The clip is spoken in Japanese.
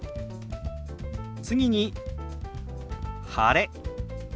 次に「晴れ」。